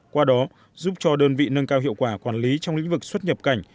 qua đó giúp cho đơn vị nâng cao hiệu quả quản lý trong lĩnh vực xuất nhập cảnh